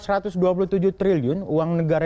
rp satu ratus dua puluh tujuh triliun uang negara